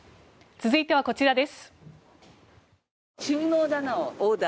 続いてはこちらです。